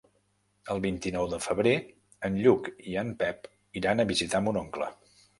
El vint-i-nou de febrer en Lluc i en Pep iran a visitar mon oncle.